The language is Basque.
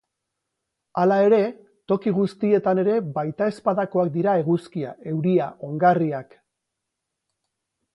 Hala ere, toki guztietan ere baitezpadakoak dira eguzkia, euria, ongarriak...